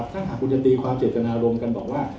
ถ้าหากคุณจะตีความเจตนารมณ์กันบอกว่า